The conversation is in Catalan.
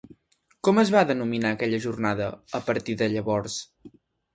Com es va denominar aquella jornada, a partir de llavors?